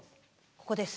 ここです。